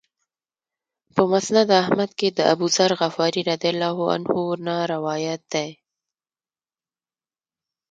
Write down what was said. په مسند احمد کې د أبوذر غفاري رضی الله عنه نه روایت دی.